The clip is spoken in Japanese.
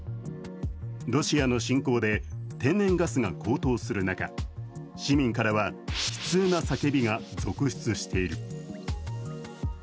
ロシアの侵攻で天然ガスが高騰する中、市民からは、悲痛な叫びが続出している。